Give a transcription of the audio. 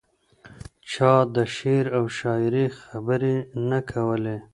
چا د شعر او شاعرۍ خبرې نه کولې.